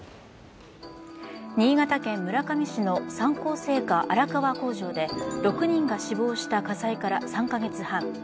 新潟県村上市の三幸製菓荒川工場で６人が死亡した火災から３カ月半。